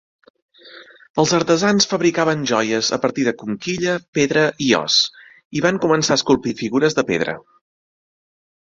Els artesans fabricaven joies a partir de conquilla, pedra i os, i van començar a esculpir figures de pedra.